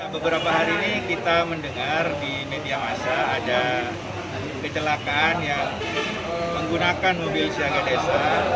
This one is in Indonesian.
beberapa hari ini kita mendengar di media masa ada kecelakaan yang menggunakan mobil siaga desa